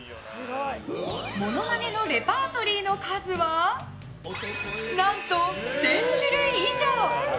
モノマネのレパートリーの数は何と、１０００種類以上。